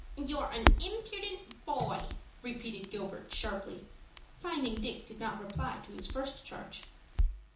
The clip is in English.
"You're an impudent boy!" repeated Gilbert, sharply, finding Dick did not reply to his first charge.